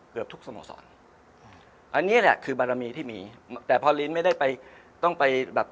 เกือบทุกสโมสรอันนี้แหละคือบารมีที่มีแต่พอลินไม่ได้ไปต้องไปแบบ